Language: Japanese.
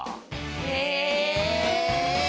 へえ。